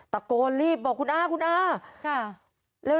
ตะโกนรีบบอกคุณอาคุณอา